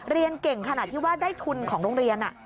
เรียนเก่งขนาดที่ว่าได้ทุนของโรงเรียน